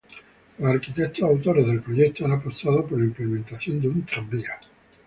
Los arquitectos autores del proyecto han apostado por la implementación de un tranvía.